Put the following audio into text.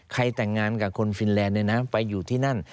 แต่งงานกับคนฟินแลนดเนี่ยนะไปอยู่ที่นั่น